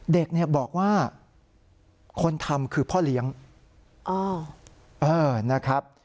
เด็กเนี่ยบอกว่าคนทำคือพ่อเลี้ยงนะครับ